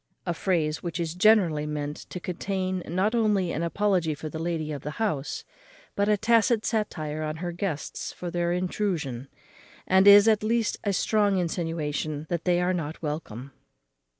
_ A phrase which is generally meant to contain not only an apology for the lady of the house, but a tacit satire on her guests for their intrusion, and is at least a strong insinuation that they are not welcome.